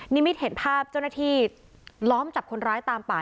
มิตเห็นภาพเจ้าหน้าที่ล้อมจับคนร้ายตามป่า